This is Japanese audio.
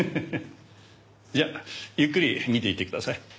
じゃあゆっくり見ていってください。